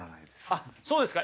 あっそうですか。